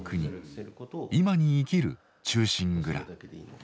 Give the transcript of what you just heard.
今に生きる「忠臣蔵」。